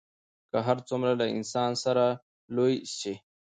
که هر څومره له انسانه سره لوی سي